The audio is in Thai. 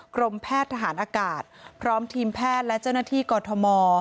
กรมแพทย์ทหารอากาศพร้อมทีมแพทย์และเจ้าหน้าที่กอทม